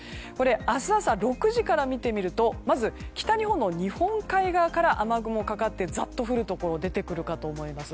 明日朝６時から見てみると北日本の日本海側から雨雲がかかってザッと降るところ出てくるかと思います。